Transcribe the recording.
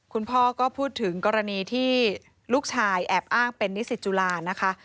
คุณพ่อก็พูดถึงกรณีที่ลูกชายแอบอ้างเป็นนิสิตจุฬานะคะ